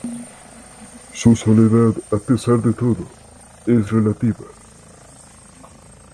Su soledad, a pesar de todo, es relativa.